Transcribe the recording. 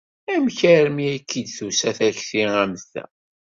Amek armi ay k-id-tusa takti am ta?